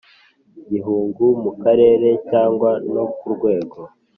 Gihugu mu karere cyangwa no ku rwego